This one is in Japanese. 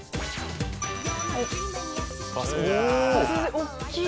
大っきい！